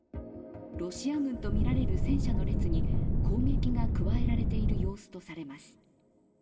ロシア軍とみられる戦車の列に攻撃が加えられている様子とされます。